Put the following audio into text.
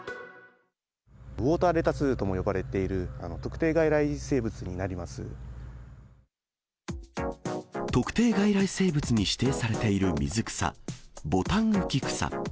ウオーターレタスとも呼ばれ特定外来生物に指定されている水草、ボタンウキクサ。